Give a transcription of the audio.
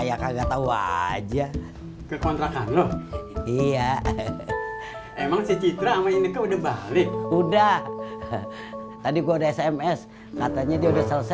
ya emang si citra main udah balik udah tadi gua sms katanya dia udah selesai